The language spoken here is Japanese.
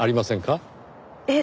えっ？